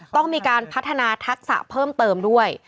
ต้องมีการพัฒนาทักษะเพิ่มเติมด้วย